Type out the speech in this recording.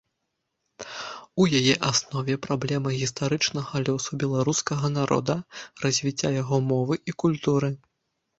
У яе аснове праблема гістарычнага лёсу беларускага народа, развіцця яго мовы і культуры.